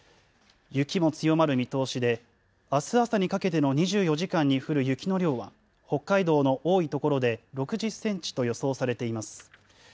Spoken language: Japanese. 雪も強まる見通しで、あす朝にかけての２４時間に降る雪の量は、北海道の多い所で６０センチと予想されています。